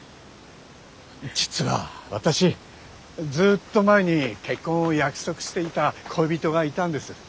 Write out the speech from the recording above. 実は私ずっと前に結婚を約束していた恋人がいたんです。